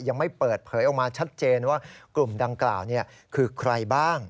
ยังไม่เปิดเผยออกมาชัดเจนว่ากลุ่มดังกล่าวคือใครบ้าง